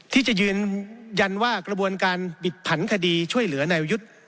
ที่จะยืนยันว่ากระบวนการบิดผันคดีช่วยเหลือนายประยุทธ์